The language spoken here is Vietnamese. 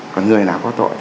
còn người nào có tội